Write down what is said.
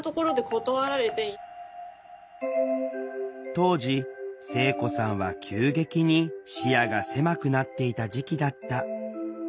当時聖子さんは急激に視野が狭くなっていた時期だった。